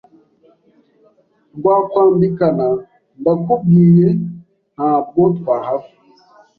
Rwakwambikana ndakubwiye ntabwo twahava